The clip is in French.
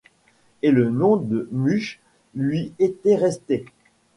Et le nom de Muche lui était resté.